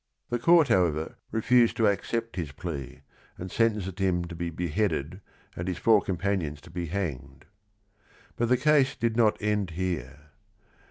The court, however, refused to accept his plea, and sentenced him to be beheaded and his four companions to be hanged. But the case did not end here.